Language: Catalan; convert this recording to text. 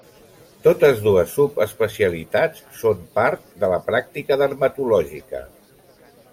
Totes dues subespecialitats són part de la pràctica dermatològica.